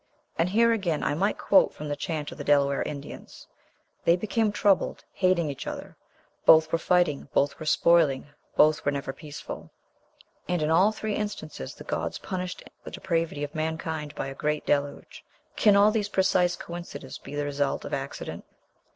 And here again I might quote from the chant of the Delaware Indians "they became troubled, hating each other; both were fighting, both were spoiling, both were never peaceful." And in all three instances the gods punished the depravity of mankind by a great deluge. Can all these precise coincidences be the result of accident?